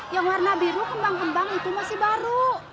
yang warna biru kembang kembang itu masih baru